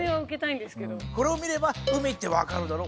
これを見れば海って分かるだろ？